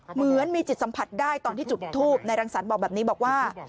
เหมือนมีจิตสัมผัสได้ตอนที่จุดทูบนายรังสรรค์บอกแบบนี้บอกว่า